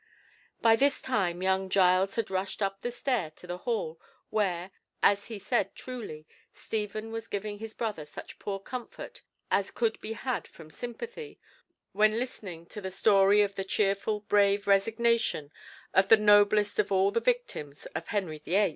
By this time young Giles had rushed up the stair to the hall, where, as he said truly, Stephen was giving his brother such poor comfort as could be had from sympathy, when listening to the story of the cheerful, brave resignation of the noblest of all the victims of Henry VIII.